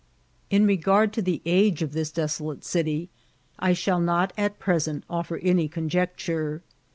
In regard to the age of this desolate city I shall not at present offer any conjecture.